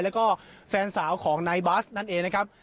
แล้วก็แฟนสาวของนายบัสนั่นเองนะครับ